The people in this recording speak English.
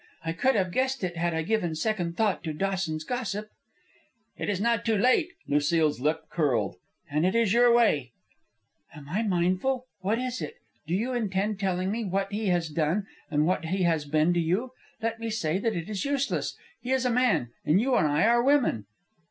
I could have guessed it had I given second thought to Dawson's gossip." "It is not too late." Lucile's lip curled. "And it is your way." "And I am mindful. What is it? Do you intend telling me what he has done, what he has been to you. Let me say that it is useless. He is a man, as you and I are women."